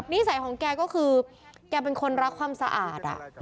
นิสัยของแกก็คือแกเป็นคนรักความสะอาด